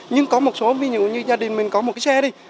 nhưng có một số ví dụ như gia đình mình có một cái xe đi